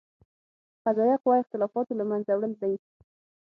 قضائیه قوه اختلافاتو له منځه وړل دي.